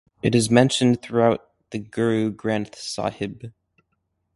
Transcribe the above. It is mentioned throughout the Guru Granth Sahib.